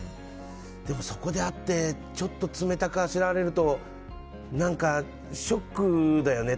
でも、そこで会ってちょっと冷たくあしらわれると何か、ショックだよね。